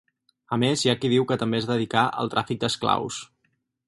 A més, hi ha qui diu que també es dedicà al tràfic d'esclaus.